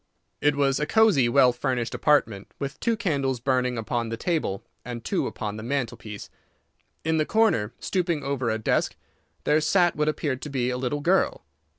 It was a cosey, well furnished apartment, with two candles burning upon the table and two upon the mantelpiece. In the corner, stooping over a desk, there sat what appeared to be a little girl.